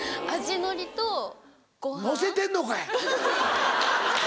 のせてんのかい！